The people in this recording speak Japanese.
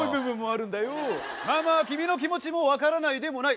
まあまあ君の気持ちも分からないでもない。